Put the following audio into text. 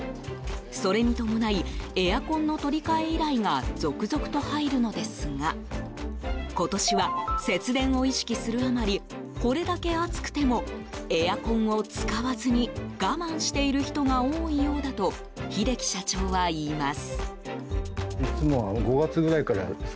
それに伴いエアコンの取り替え依頼が続々と入るのですが今年は節電を意識するあまりこれだけ暑くてもエアコンを使わずに我慢している人が多いようだと秀樹社長は言います。